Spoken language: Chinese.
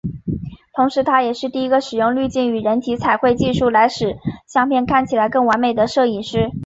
同时他也是第一个使用滤镜与人体彩绘技术来使相片看起来更完美的摄影师。